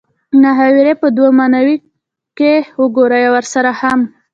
محاورې په دوو معنو کښې وګورئ او ورسره هم